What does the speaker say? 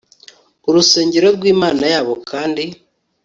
urusengero rw imana yabo kandi